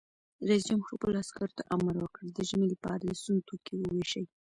رئیس جمهور خپلو عسکرو ته امر وکړ؛ د ژمي لپاره د سون توکي وویشئ!